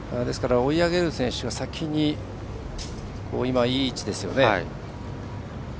追い上げる選手は先に、今いい位置ですよね。